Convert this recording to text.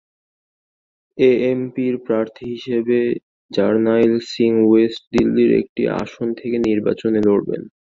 এএপির প্রার্থী হিসেবে জারনাইল সিং ওয়েস্ট দিল্লির একটি আসন থেকে নির্বাচনে লড়বেন।